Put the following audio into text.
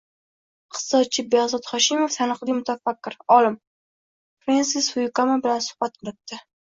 Iqtisodchi Behzod Hoshimov taniqli mutafakkir, olim Frensis Fukuyama bilan suhbat qilibdi.